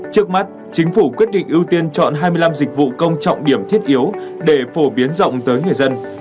trước mắt chính phủ quyết định ưu tiên chọn hai mươi năm dịch vụ công trọng điểm thiết yếu để phổ biến rộng tới người dân